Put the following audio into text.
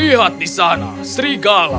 lihat di sana serigala